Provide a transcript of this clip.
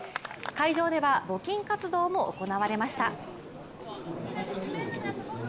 会場では募金活動も行われました。